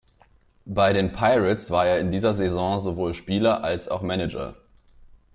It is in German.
Bei den Pirates war er in dieser Saison sowohl Spieler als auch Manager.